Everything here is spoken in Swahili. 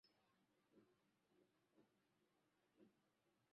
maishani wakifuata dini ya watawala Masharti ya kujiunga na